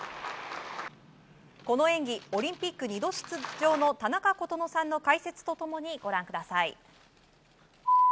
この演技オリンピック２度出場の田中琴乃さんの解説と共にご覧ください。